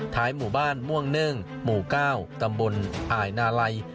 หมู่บ้านม่วงเนิ่งหมู่๙ตำบลอ่ายนาลัย